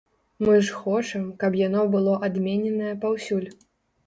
Мы ж хочам, каб яно было адмененае паўсюль.